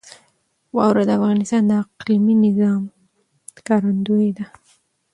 واوره د افغانستان د اقلیمي نظام ښکارندوی ده.